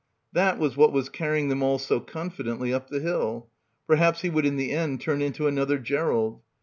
That was what was carrying them all so confi dently up the hill. Perhaps he would in the end turn into another Gerald.